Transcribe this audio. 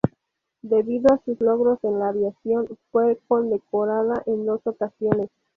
Debido a sus logros en la aviación fue condecorada en dos ocasiones.